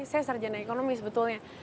saya sarjana ekonomi sebetulnya